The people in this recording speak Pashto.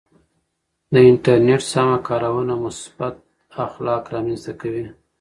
د انټرنیټ سمه کارونه مثبت اخلاق رامنځته کوي.